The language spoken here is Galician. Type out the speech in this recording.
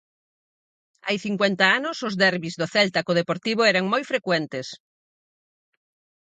Hai cincuenta anos os derbis do Celta co Deportivo eran moi frecuentes.